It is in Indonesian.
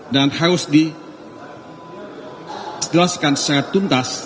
dan harus dijelaskan secara tuntas